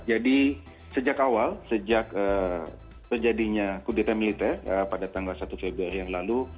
jadi sejak awal sejak terjadinya kudeta militer pada tanggal satu februari yang lalu